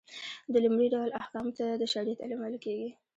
د لومړي ډول احکامو ته د شريعت علم ويل کېږي .